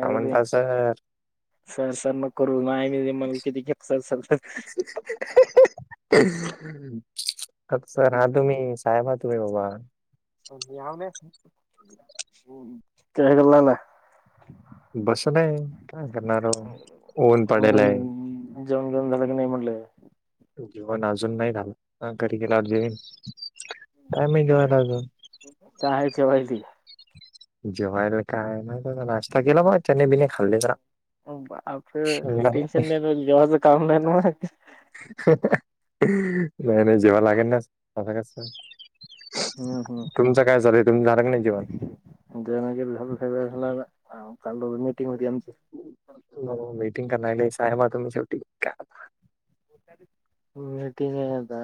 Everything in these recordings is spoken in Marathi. का काय झालं रे म्हणता सर सर सर मग करू नाही मी म किती घे सर सर [unintelligible] आता सर हा तुम्ही साहेबा तु हे बाबा कळल मला बस ना ये काय करणार राहून ऊन पाडेलाय जेऊण घेऊन झालं की नाही म्हटलं जेवण अजून नाही झाला घरी गेल्या वर जेवीन काय नाही घेऊला अजून काहायचे वहिती जेवायला काय ना नाश्ता केला बबा जरा चणे बिणे खाल्ले जर बाप टेन्शन नाही जेवाचं काम नाही ना म [unintelligible] नाही नाही जेवाय लागेल ना हम्म [unintelligible] हम्म तुमचं काय चालय तुम्ही झाारंग नाही जीवन [unintelligible] चाल्लो मि मिटंग मध्ये आमच्या हो मिटिंग करणारला सायब हाय तुम्ही शेवटी काय- मीटिंगाय आता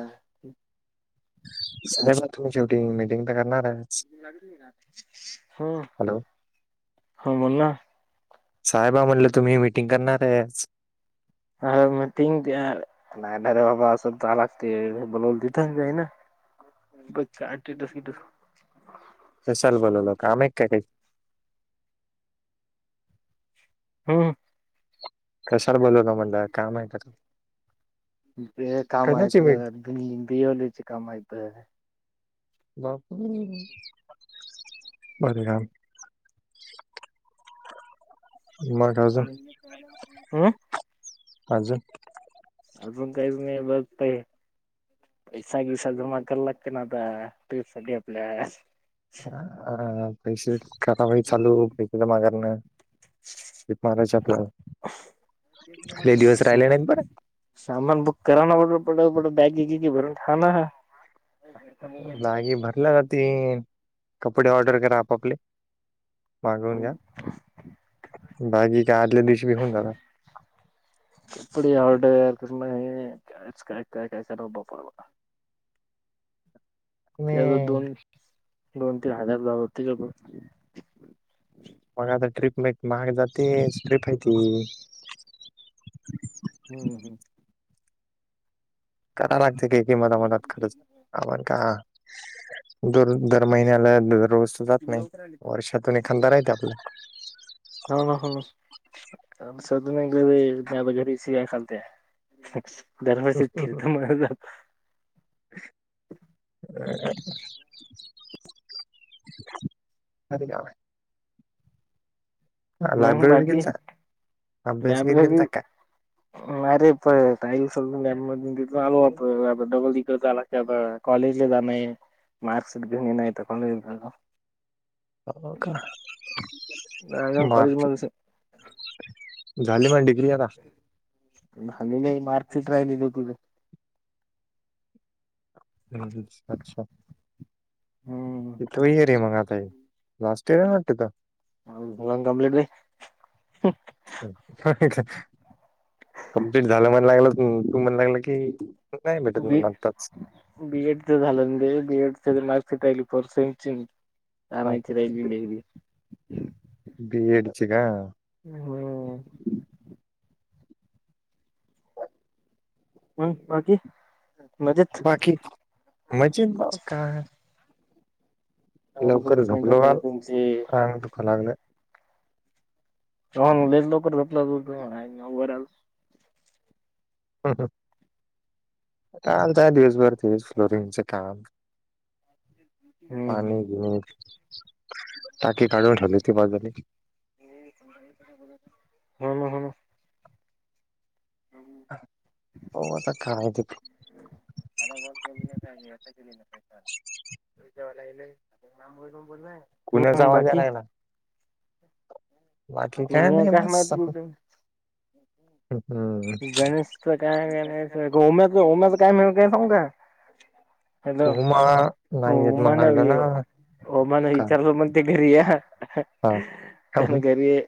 सायब हा तुम्ही शेवटी मिटिंग तर करणारच ह हॅलो हा बोल ना साहेबा म्हटलं तुम्ही मीटिंग करणारच हा मिटींग [unintelligible] नाही नाही अरे बाबा असं जाया लागतय बोलवल तिथ जाईना बचा आठे [unintelligible] कशाला बोलवला होता कामेक काय हम कशला बोलावलां म्हंटला कामय का बे कामयत कशाची मी ब बियवलिची कामयत बापू [unintelligible] मग अजून अजून अजून कायच नाही बघताय पैसाबिसा जमा करायला लागते ना आता ट्रीप साठी आपल्या अ पैसे करावाई चालू [unintelligible] मागारण महाराज आपला लई दिवस राहिले नाहीत बरं सामान बुक करा ना [unintelligible] बॅग क क भरून ठेवा ना लागी भरल्या ना तीन कपडे ऑर्डर करा आपापले मागवून घ्या बाकी का आदले दिश बि होऊन जाला [unintelligible] ते नाही दोन दोन तीन हजार झा होते का बघ. मग आता ट्रीप लई महाग जाते ट्रीप हायती हम्म हम् करा लागते की किंमत मदत खर्च आपण का दररोज दर महिन्याला रोज तर जात नाही हो वर्षातून एखादरा येत आपलं. [unintelligible] [inaudible] आपलं [inaudible] [inaudible] [unintelligible] हा मग लायब्ररी गेल बाकी जा लायब्ररी [inaudible] कॉलेजले जा नाही मार्कशीट घेऊन नाही तर कॉलेज जा अजून कॉलेजमध्ये [inaudible] झाली माझी डीग्री आता. झाली नाही मार्कशीट राहिलेली घेऊन आलो. ह् अच्छा. हम्म इथो येर मग आताय लास्ट इयर वाटते तीत. [unintelligible] कमप्लीट झालं म्हण लागलं तू म्हण लागलं की नाही भेटत बी म्हणून आताच बीएडच झालं म्हणे बीएड मार्क्स [unintelligible] ह बीएडच का? ह हो. हम बाकी मजेत. बाकी मजेत का? लवकर फ्रेंड झोपलो वगैरे काल तुमचे कान दुखा लागलंय. [inaudible] हम हम काम आमचे तेच दिवसभर दिस फ्लोरिंगच काम. पाणी हो [unintelligible] टाकी काढून ठेवली होती बाजूले. [inaudible] ना हो ना. होता [inaudible] [inaudible] [inaudible] कुणाचा हो आवाज यायला लागला. मग बाकी बाकी काय नाही बस आपण- [unintelligible] हम्म गणेशच काय गणेशम्या होम्याच काय मिळ काय सांगु का? हॅलो उमा नाही येत ओमा म्हणा नाही लागलं ना ह्यो. ओमा ला का विचारलं मग ते घरी या हा काय त्याना म्हण घरी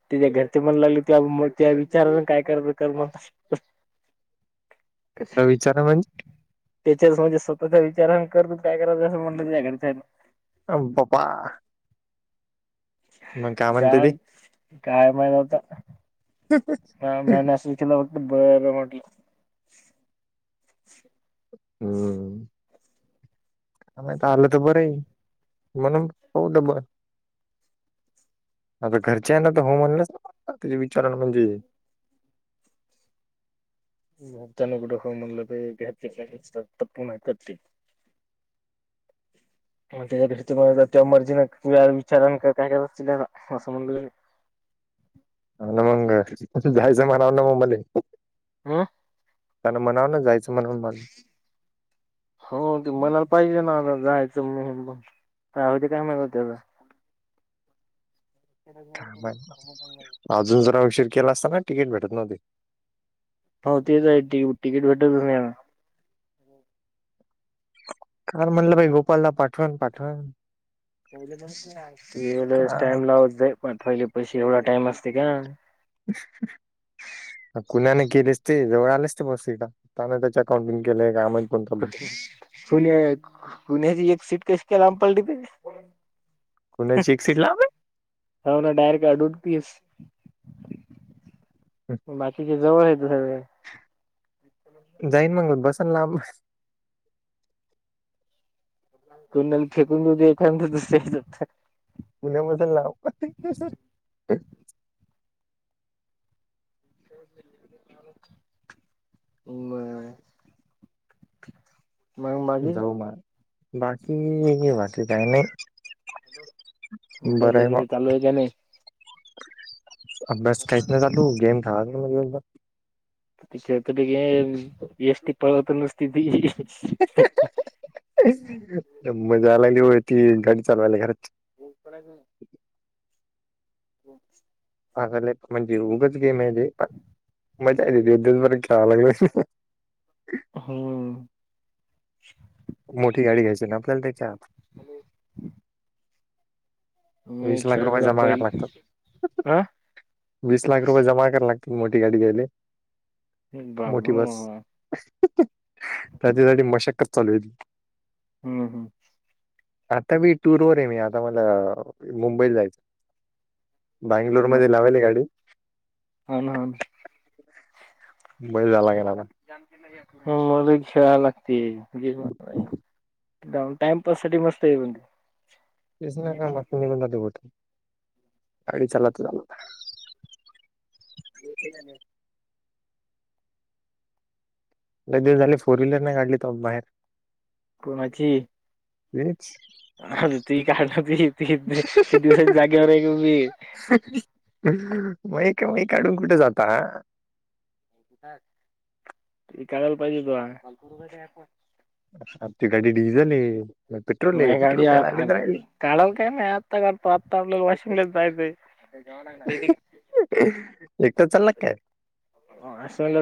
[unintelligible] तिच्या घरचे म्हनु लागले तर मग ते विचार काय करत कर मग [inaudible] [unintelligible] त्याच्याच म्हणजे स्वतःच्या विचारान कर तू काय करायचं ते असं म्हटलं तिच्या घरच्यांनी. आई बाबा काय म्हणते ते सांग काय म्हणत होता? हम हम. [inaudible] हम्म. आमही तर आलं तर बरं म्हणून होऊ ब आता घरचे आहे ना तर होमच त्याचे विचारण म्हणजे म त्यांन कुड हो म्हणल [unintelligible] मग त्याच्या पेक्षा तुझ्या मर्जीन तुझ्या विचारा न काय करायचं ते करा अस म्हणालोय मी. अन मंग तिथं जायचं म्हणाला ना व मले. अ त्यांन म्हणाव ना जायचं म्हणून मले. [inaudible] हो ते म्हणाल पाहिजे ना आता जायचं म्हनून म राहुदे काय म्हणा हो त्यां. काय त्याचं माहित अजून जरा उशीर केला असताना तिकीट भेटत नव्हती. हो तेच आहे तीकी तिकीट भेटतच नाही ना. काल म्हणलं भाइ गोपालला पाठवण पाठवण. ते लईच काय टाइम लावते पण पहिले पैशे एवढा टाइम असते का. हुं हुं कुणाने केलेस ते जवळ आलेच ते बस त त्यान त्याच्या अकाउंटिंग केलंय का म पुन पुण्याची एक सीट कशी का लांब पलली ते. पुण्याची एक सीट लांब आहे. हव ना डायरेक् अडूनपिस. आहे बाकीच्या जवळ आहेत सगळ्या. जाईन मंग बसन लांब. तोंडाला फेकून देऊ दे एखाद दुसऱ्याच. पुण्यापासून लांब. म जाऊ म बाकी बाकी काही नाही. अभ्यास बरं आहे बा वगैरे चालू आहे का नाही. अभ्यास काहीच नाही चालू गेम खेळायला नको दिवसभर. एसटी पळवतो नुसती ती. मजा यायला लागलीहो ती गाडी चालवायला घरात. [unintelligible] हम् आगले म्हणजे उगच गेम आहे तेे पण मजा आहे ते दिवसभर खेळा लागलोय. हुं मोठी गाडी घ्यायची ना आपल्याला त्याच्यात. मी वीस लाख रुपये खेळला जमा करा पहिले लागतात. हा वीस लाख रुपये जमा करा लागतील मोठी गाडी द्यायले. बाबा मोठी बस बाबा त्याच्यासाठी मशकच चालूये. हम्म हम्म. आता मी टूरवर आहे मी आता मला मुंबईला जायचं. बांगलोर मध्ये लावेले गाडी. हो ना. मुंबईला जायला लागेल आता मले खेळा लागती [unintelligible] एक टईम पास स मत येई पन दिस नाही का मस्त निघून जात बोठ गाडी चालात ल ब दिवस झाले फोर व्हीलर नाही गडली तो बाहेर कोणाची अच [unintelligible] किती दिवसा जागेवर आहे [unintelligible] [unintelligible] [unintelligible] काढून कुठे जाता? करायला पाहिजे होत लका, करू का त्याला फोन? ते गाडी डिझेल ए त्यात पेट्रोल पेट्रोल काय लागले तर लागले काळव काय त आतालं वाॉशिंगले जाय एक तर चालला काय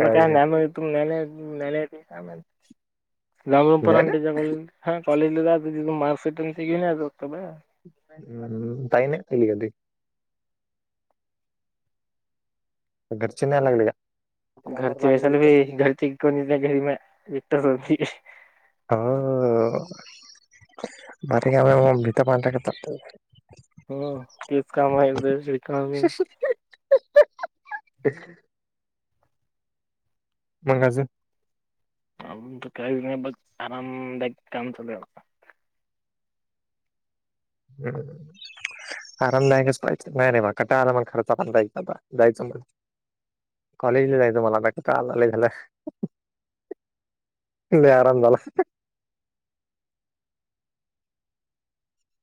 का ्या न काय जमून नाही पण ना त्याच्याक हा कॉज मारकट [unintelligible] घरचे न्ह्याय लागले काय? घरचे [unintelligible] हो, [unintelligible] हो तेच काम हाय [unintelligible] [unintelligible] मग अजून? अजून काय नाय बघ, आरामदायी काम चालूय आता. [unintelligible] आरामदायकच पाहिजे, नाही रे मला कटाळ आला मग खर्च पण [unintelligible] जायचं मग कॉलेजला जायच मला [unintelligible] लय आराम झाला.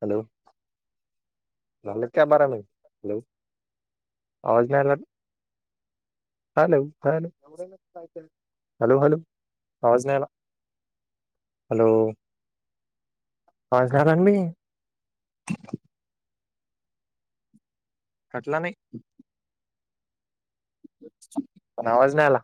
हॅलो! [unintelligible] हॅलो! आवाज नाय आला हॅलो हॅलो हॅलो हॅलो, आवाज नाही आला. हॅलो! आज घरा [unintelligible] कटला नाही. पण आवाज नाही आला.